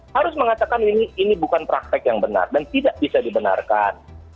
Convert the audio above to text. harus mengatakan ini bukan praktek yang benar dan tidak bisa dibenarkan